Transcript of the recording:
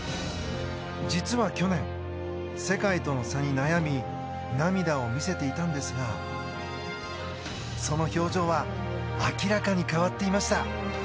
実は去年、世界との差に悩み涙を見せていたんですがその表情は明らかに変わっていました。